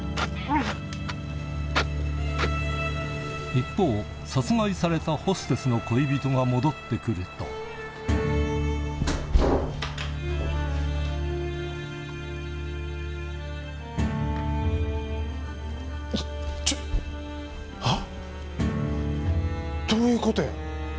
一方殺害されたホステスの恋人が戻って来るとちょっはっ？